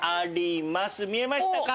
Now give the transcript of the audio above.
見えましたか？